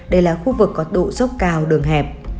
đây là khu vực có độ dốc cao đường hẹp